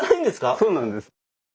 そうなんです。